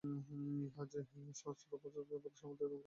ইহা যেন সহস্র বৎসর যাবৎ সমুদ্রের অভিমুখে প্রবাহিত একটি নদীর মত।